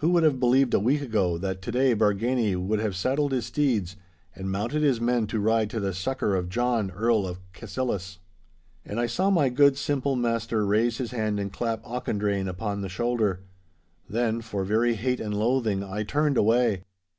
Who would have believed a week ago that to day Bargany would have saddled his steeds and mounted his men to ride to the succour of John, Earl of Cassillis?' And I saw my good, simple master raise his hand and clap Auchendrayne upon the shoulder. Then, for very hate and loathing, I turned away.